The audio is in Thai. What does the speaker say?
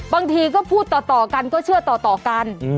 บางทีก็พูดต่อกันก็เชื่อต่อกัน